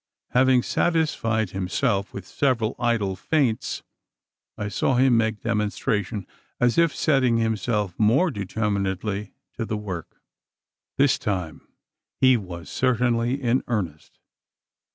Having satisfied himself with several idle feints, I saw him make demonstration, as if setting himself more determinedly to the work. This time he was certainly in earnest.